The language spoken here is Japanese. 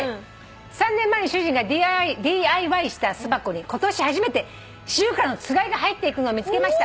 「３年前に主人がＤＩＹした巣箱に今年初めてシジュウカラのつがいが入っていくのを見つけました」